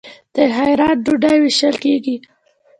د خیرات ډوډۍ ویشل کیږي.